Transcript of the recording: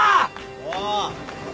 おう。